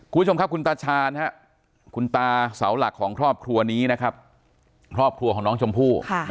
คุณผู้ชมครับคุณตาชาญคุณตาเสาหลักของครอบครัวนี้นะครับครอบครัวของน้องชมพู่